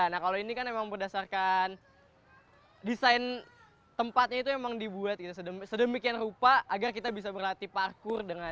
nah kalau ini kan emang berdasarkan desain tempatnya itu memang dibuat sedemikian rupa agar kita bisa berlatih parkur dengan